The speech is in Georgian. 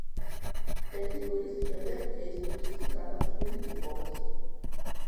ერთი კვირის შემდეგ კეისტუტისი გარდაცვლილი იპოვეს.